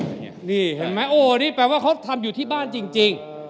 นี่เห็นไหมโอ้นี่แปลว่าเขาทำอยู่ที่บ้านจริง